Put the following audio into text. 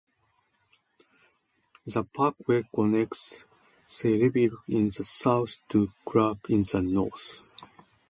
The Parkway connects Sayreville in the south to Clark in the north.